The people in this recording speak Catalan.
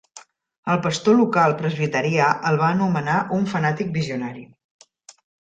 El pastor local presbiterià el va anomenar un fanàtic visionari.